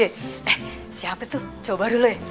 eh siapa tuh cowok baru lo ya